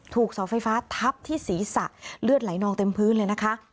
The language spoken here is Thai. ถูกเสาไฟฟ้าทับที่ศีรษะเลือดไหลนองเต็มพื้นเลยนะคะ